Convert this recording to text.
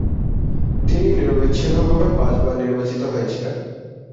তিনি নিরবচ্ছিন্নভাবে পাঁচবার নির্বাচিত হয়েছিলেন।